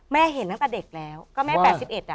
เห็นตั้งแต่เด็กแล้วก็แม่๘๑อ่ะ